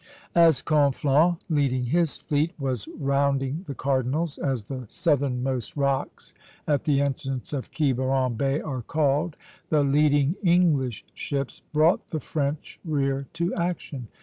As Conflans, leading his fleet, was rounding the Cardinals, as the southernmost rocks at the entrance of Quiberon Bay are called, the leading English ships brought the French rear to action.